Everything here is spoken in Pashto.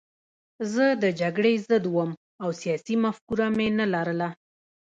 زه د جګړې ضد وم او سیاسي مفکوره مې نه لرله